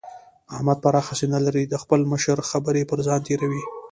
احمد پراخه سينه لري؛ د خپل مشر خبرې پر ځان تېروي.